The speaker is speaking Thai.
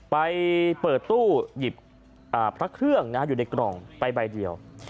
ไปเปิดตู้หยิบพระเครื่องอยู่ในกล่องไปใบเดียว